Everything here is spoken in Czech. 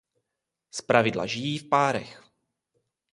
Zpravidla žijí v párech.